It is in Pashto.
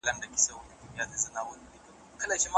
مینه د رنګین بیرغ دي غواړمه په زړه کي